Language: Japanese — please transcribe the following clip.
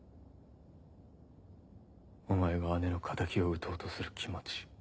お前が姉の敵を討とうとする気持ち